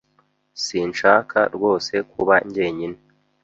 Sinshaka rwose kuba njyenyine.